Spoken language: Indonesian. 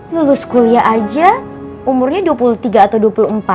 lulus kuliah aja umurnya dua puluh tiga atau dua puluh empat